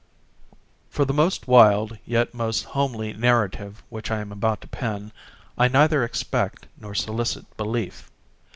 For the most wild, yet most homely narrative which I am about to pen, I neither expect nor solicit belief.